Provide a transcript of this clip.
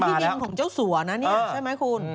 ต้องเป็นที่ดินของเจ้าสวนนะใช่ไหมคุณ